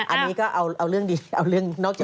อันนี้ก็เอาเรื่องนอกจากตัวเล็กบ้าง